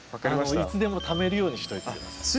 いつでもためるようにしといて下さい。